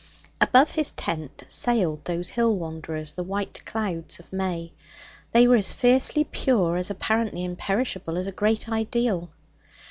Above his tent sailed those hill wanderers, the white clouds of May. They were as fiercely pure, as apparently imperishable, as a great ideal.